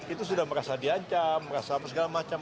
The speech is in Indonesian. itu sudah merasa diancam merasa apa segala macam